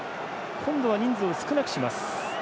今度は人数を少なくします。